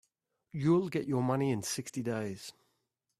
You'll get your money in sixty days.